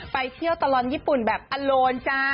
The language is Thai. ไปเที่ยวตลอดญี่ปุ่นแบบอโลนจ้า